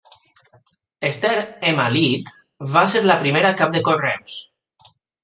Esther M Leete va ser la primera cap de Correus.